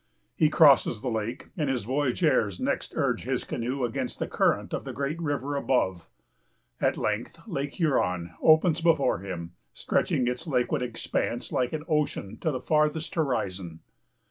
He crosses the lake, and his voyageurs next urge his canoe against the current of the great river above. At length, Lake Huron opens before him, stretching its liquid expanse, like an ocean, to the farthest horizon.